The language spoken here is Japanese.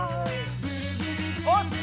おおっと！